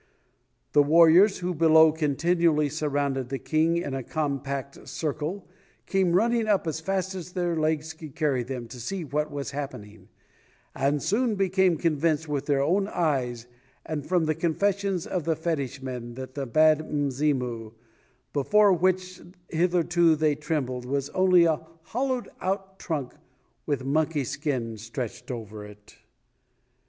The warriors, who below continually surrounded the King in a compact circle, came running up as fast as their legs could carry them to see what was happening, and soon became convinced with their own eyes and from the confessions of the fetish men that the bad Mzimu before which heretofore they trembled was only a hollowed out trunk with monkey skin stretched over it.